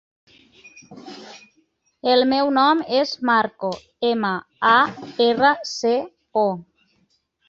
El meu nom és Marco: ema, a, erra, ce, o.